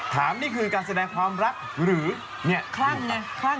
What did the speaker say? ถามนี่คือการแสดงความรักหรือเนี่ยคลั่งจริง